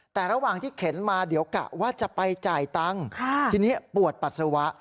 แต่ระหว่างที่เข็นมาเดี๋ยวกะว่าจะไปจ่ายตังค์ทีนี้ปวดปัสสาวะ